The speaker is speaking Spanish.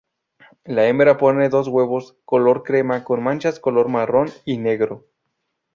La hembra pone dos huevos color crema con manchas color marrón y negro.